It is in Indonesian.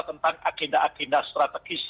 tentang agenda agenda strategis